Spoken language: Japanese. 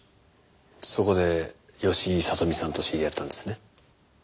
そこで吉井聡美さんと知り合ったんですね？